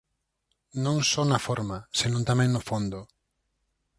Non só na forma, senón tamén no fondo.